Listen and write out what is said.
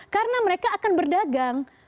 karena mereka akan berdagang